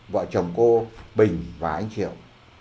vợ chồng cô bình và anh triệu